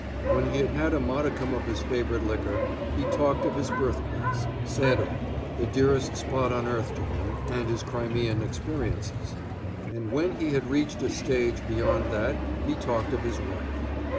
When he had had a modicum of his favorite liquor he talked of his birthplace, Sedan, the dearest spot on earth to him, and his Crimean experiences; and when he had reached a stage beyond that he talked of his wife.